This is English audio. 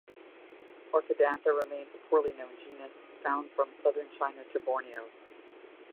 "Orchidantha" remains a poorly known genus, found from southern China to Borneo.